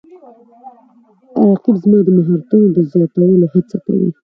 رقیب زما د مهارتونو د زیاتولو هڅه کوي